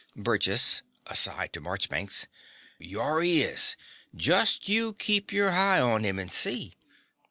BURGESS (aside to Marchbanks). Yorr he is. Just you keep your heye on him and see.